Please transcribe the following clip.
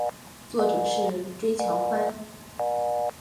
作者是椎桥宽。